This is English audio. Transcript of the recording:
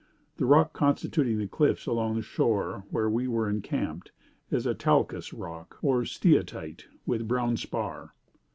The rock constituting the cliffs along the shore where we were encamped, is a talcous rock, or steatite, with brown spar.